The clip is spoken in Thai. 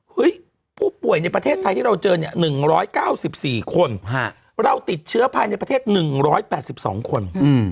ผู้ป่วยในประเทศไทยที่เราเจอเนี่ย๑๙๔คนเราติดเชื้อภายในประเทศ๑๘๒คน